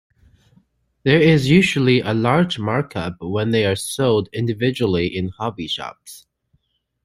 There is usually a large mark-up when they are sold individually in hobby shops.